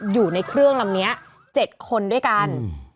อยู่ในเครื่องลำนี้๗คนด้วยกัน